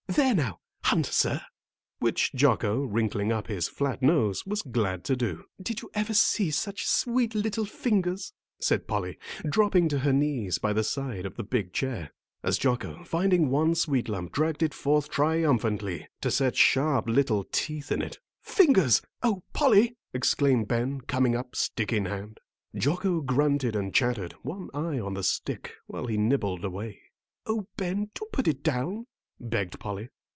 "There now, hunt, sir," which Jocko, wrinkling up his flat nose, was glad to do. "Did you ever see such sweet little fingers?" said Polly, dropping to her knees by the side of the big chair, as Jocko, finding one sweet lump, dragged it forth triumphantly, to set sharp little teeth in it. [Illustration: "DID YOU EVER SEE SUCH SWEET LITTLE FINGERS?" SAID POLLY.] "Fingers! Oh, Polly!" exclaimed Ben, coming up, stick in hand. Jocko grunted and chattered, one eye on the stick, while he nibbled away. "Oh, Ben, do put it down," begged Polly.